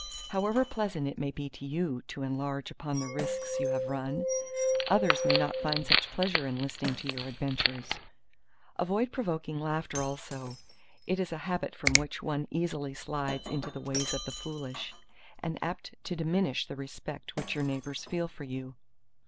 However pleasant it may be to you to enlarge upon the risks you have run, others may not find such pleasure in listening to your adventures. Avoid provoking laughter also: it is a habit from which one easily slides into the ways of the foolish, and apt to diminish the respect which your neighbors feel for you.